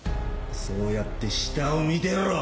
そうやって下を見てろ！